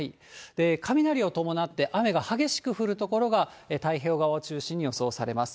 雷を伴って、雨が激しく降る所が太平洋側を中心に予想されます。